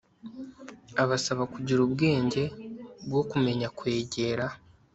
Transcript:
abasaba kugira ubwenge bwo kumenya kwegera